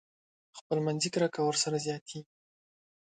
خپل منځي کرکه ورسره زياتېږي.